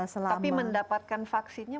selama tapi mendapatkan vaksinnya